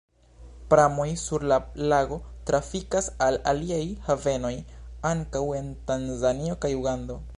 Pramoj sur la lago trafikas al aliaj havenoj, ankaŭ en Tanzanio kaj Ugando.